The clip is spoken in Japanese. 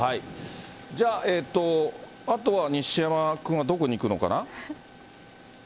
じゃあ、あとは西山君はどこに行くのかな？